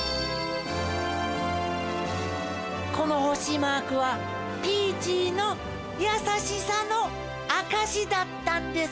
このほしマークはピーチーのやさしさのあかしだったんです。